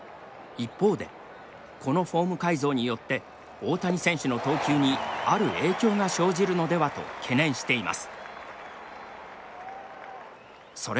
一方でこのフォーム改造によって大谷選手の投球にある影響が生じるのではと懸念しています。